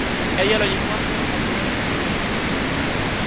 Ella lo llevó hasta la fábrica de estos vehículos.